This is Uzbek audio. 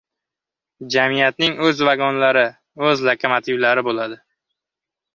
Jamiyatning o‘z vagonlari, o‘z lokomotivlari bo‘ladi.